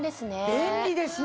便利ですね。